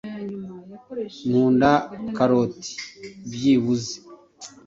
Nkunda karoti byibuze.